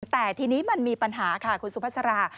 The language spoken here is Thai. แต่ทีนี้มันมีปัญหาค่ะคุณสุภาษา